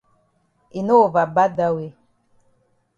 E no over bad dat way.